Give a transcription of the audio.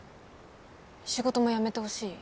仕事も辞めてほしい？